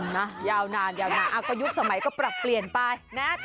น่ะยาวนานยุคสมัยก็ปรับเปลี่ยนไป